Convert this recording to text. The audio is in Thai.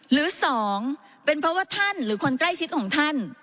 หรือสองเป็นเพราะว่าท่านหรือคนใกล้ชิดของท่าน